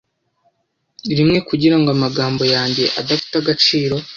Rimwe kugirango amagambo yanjye adafite agaciro.